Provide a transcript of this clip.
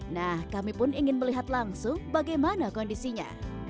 nah kami pun ingin melihat langsung bagaimana kondisinya